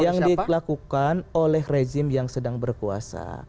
yang dilakukan oleh rezim yang sedang berkuasa